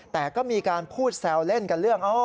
แต่ก็มีการพูดแซวเล่นกันเรื่อง